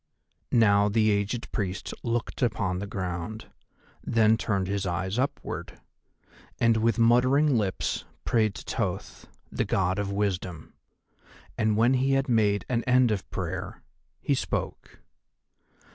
Now the aged Priest looked upon the ground, then turned his eyes upward, and with muttering lips prayed to Thoth, the God of Wisdom. And when he had made an end of prayer he spoke.